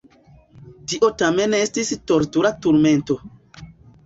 Tio tamen estis tortura turmento.